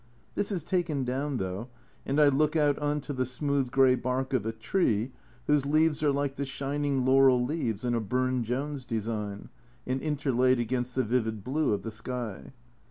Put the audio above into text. This is taken down though, and I look out on to the smooth grey bark of a tree whose leaves are like the shining laurel leaves in a Burne Jones design, and interlaid against the vivid blue of the sky.